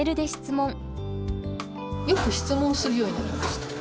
よく質問するようになりました。